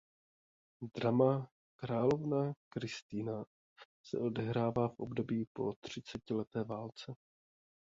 Drama Královna Kristina se odehrává v období po třicetileté válce.